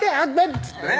っつってね